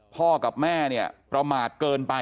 พ่อกับแม่เนี่ยประมาทเกินไป